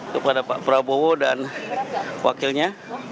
kepada pak prabowo dan wakilnya